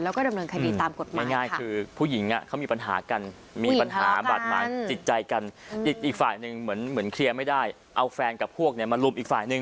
แล้วก็ดำเนินคดีตามกฏม